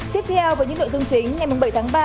tiếp theo với những nội dung chính ngày bảy tháng ba